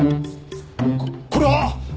ここれは。